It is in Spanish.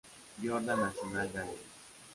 Jordan National Gallery.